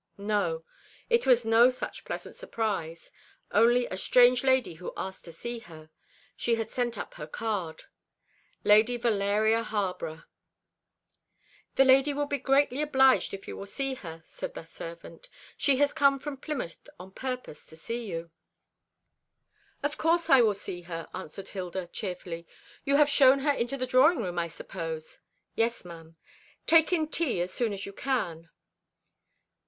No; it was no such pleasant surprise, only a strange lady who asked to see her. She had sent up her card: "LADY VALERIA HARBOROUGH." "The lady will be greatly obliged if you will see her," said the servant. "She has come from Plymouth on purpose to see you." "Of course I will see her," answered Hilda cheerfully. "You have shown her into the drawing room, I suppose?" "Yes, ma'am." "Take in tea as soon as you can."